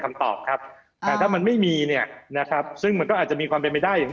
ว่ามันมันไม่มีความเป็นไม่ได้